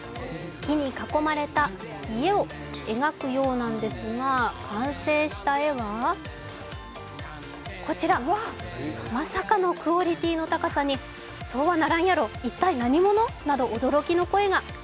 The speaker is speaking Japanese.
木に囲まれた家を描くようなんですが、完成した絵はこちら、まさかのクオリティーの高さにそうはならんやろ、一体何者？など驚きの声が。